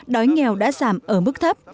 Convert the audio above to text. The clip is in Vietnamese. đói nghèo đã giảm ở mức thấp